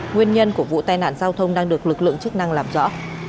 nguyên nhân của vụ tai nạn giao thông đang được lực lượng chức năng làm rõ